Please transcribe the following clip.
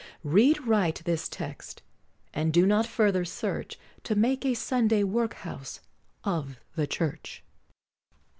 Read right this text, and do not further search To make a Sunday Workhouse of the Church.